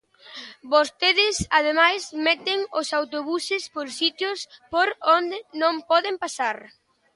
Vostedes, ademais, meten os autobuses por sitios por onde non poden pasar.